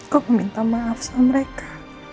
gue meminta maaf sama mereka